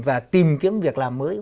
và tìm kiếm việc làm mới